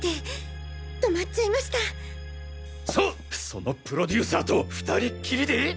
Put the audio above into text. そのプロデューサーと２人っきりで！？